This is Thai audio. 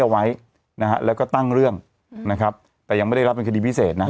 เอาไว้นะฮะแล้วก็ตั้งเรื่องนะครับแต่ยังไม่ได้รับเป็นคดีพิเศษนะ